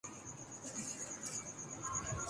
Tour de France cycle race اینمک وین نے سب کو پچھاڑدیا